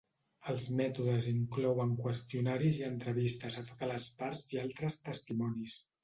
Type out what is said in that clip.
Els mètodes inclouen qüestionaris i entrevistes a totes les parts i altres testimonis.